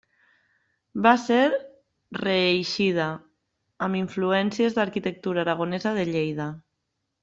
Va ser reeixida amb influències d'arquitectura aragonesa de Lleida.